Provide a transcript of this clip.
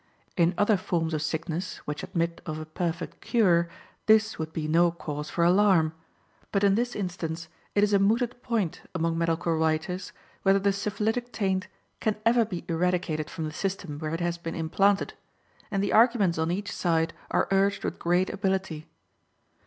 In other forms of sickness which admit of a perfect cure this would be no cause for alarm, but in this instance it is a mooted point among medical writers whether the syphilitic taint can ever be eradicated from the system where it has been implanted, and the arguments on each side are urged with great ability.